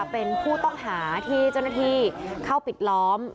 เป็นผู้ต้องหาที่เจ้าหน้าที่เข้าปิดล้อม